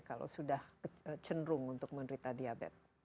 kalau sudah cenderung untuk menderita diabetes